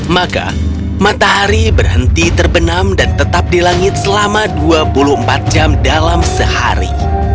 maka matahari berhenti terbenam dan tetap di langit selama dua puluh empat jam dalam sehari